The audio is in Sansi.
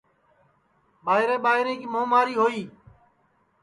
ٻائرے ٻائرے کی مُماری ہوئی